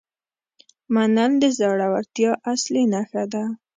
منل د زړورتیا اصلي نښه ده.